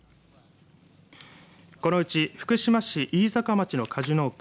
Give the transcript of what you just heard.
このうち福島市飯坂町の果樹農家